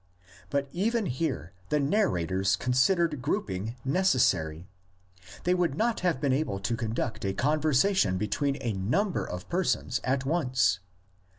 But even here the narrators considered grouping necessary. They would not have been able to conduct a con 52 THE LEGENDS OF GENESIS. versation between a number of persons at once.